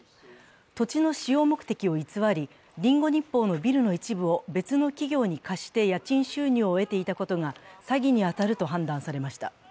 土地の使用目的を偽り、「リンゴ日報」のビルの一部を別の企業に貸して家賃収入を得ていたことが詐欺に当たると判断されました。